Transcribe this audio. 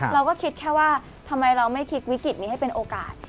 เราก็คิดแค่ว่าทำไมเราไม่คิดวิกฤตนี้ให้เป็นโอกาส